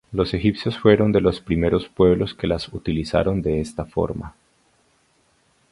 Los egipcios fueron de los primeros pueblos que las utilizaron de esta forma.